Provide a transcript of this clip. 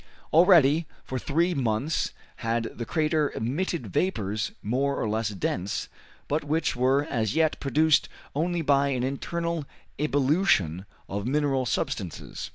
Already for three months had the crater emitted vapors more or less dense, but which were as yet produced only by an internal ebullition of mineral substances.